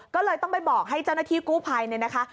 ก็เลยต้องไปบอกให้เจ้าหน้าที่กู้ภัยเนี่ยนะคะ